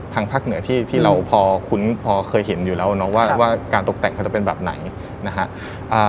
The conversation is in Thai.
ทางภาคเหนือที่ที่เราพอคุ้นพอเคยเห็นอยู่แล้วเนาะว่าการตกแต่งเขาจะเป็นแบบไหนนะฮะ